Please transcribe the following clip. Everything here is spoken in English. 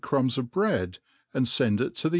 crumbs of bread, and fend it to the.